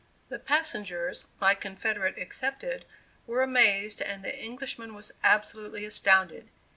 The passengers, my confederate excepted, were amazed and the Englishman was absolutely astounded.